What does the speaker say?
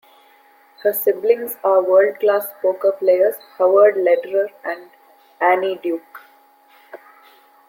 Her siblings are world-class poker players Howard Lederer and Annie Duke.